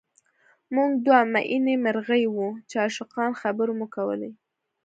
موږ دوه مئینې مرغۍ وو چې عاشقانه خبرې مو کولې